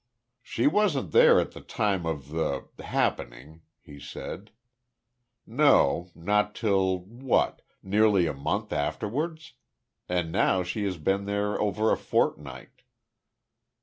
"She wasn't there at the time of the happening," he said. "No, not till what? Nearly a month afterwards? And now she has been there over a fortnight.